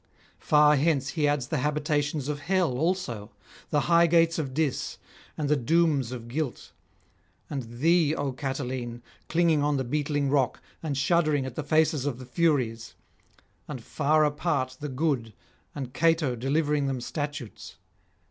Far hence he adds the habitations of hell also, the high gates of Dis and the dooms of guilt; and thee, O Catiline, clinging on the beetling rock, and shuddering at the faces of the Furies; and far apart the good, and Cato delivering them statutes.